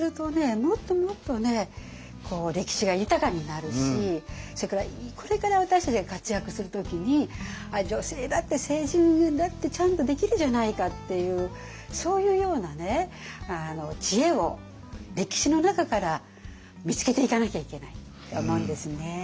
もっともっとね歴史が豊かになるしそれからこれから私たちが活躍する時に女性だって政治だってちゃんとできるじゃないかっていうそういうような知恵を歴史の中から見つけていかなきゃいけないと思うんですね。